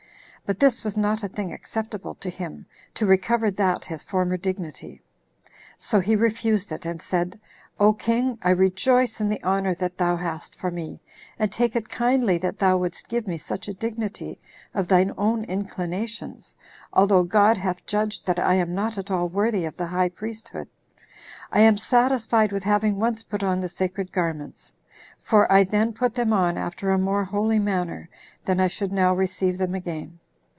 But this was not a thing acceptable to him, to recover that his former dignity. So he refused it, and said, "O king! I rejoice in the honor that thou hast for me, and take it kindly that thou wouldst give me such a dignity of thy own inclinations, although God hath judged that I am not at all worthy of the high priesthood. I am satisfied with having once put on the sacred garments; for I then put them on after a more holy manner than I should now receive them again.